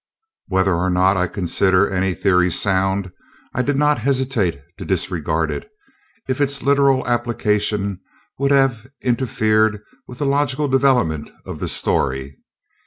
Whether or not I consider any theory sound, I did not hesitate to disregard it, if its literal application would have interfered with the logical development of the story.